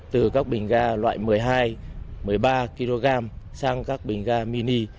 từ các bình ga loại một mươi hai một mươi ba